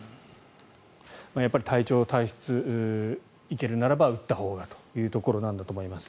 やっぱり体調、体質行けるならば打ったほうがということだと思います。